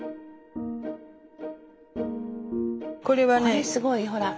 これすごいほら。